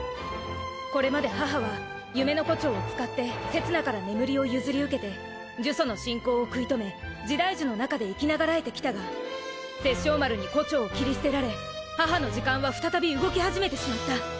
これまで母は夢の胡蝶を使ってせつなから眠りを譲り受けて呪詛の進行を食い止め時代樹の中で生き長らえてきたが殺生丸に胡蝶を切り捨てられ母の時間は再び動き始めてしまった。